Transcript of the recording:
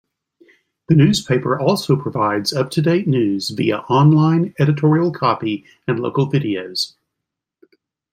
The newspaper also provides up-to-date news via online editorial copy and local videos.